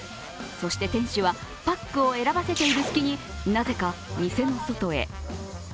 そして店主はパックを選ばせている隙に、なぜか店の外へ。